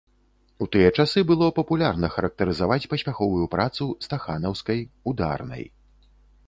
У тыя часы было папулярна характарызаваць паспяховую працу стаханаўскай, ударнай.